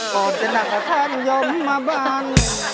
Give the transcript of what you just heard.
ก่อนจะหนักกับท่านยมมาบ้าน